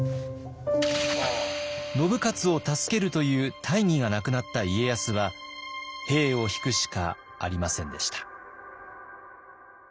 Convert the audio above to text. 信雄を助けるという大義が無くなった家康は兵を引くしかありませんでした。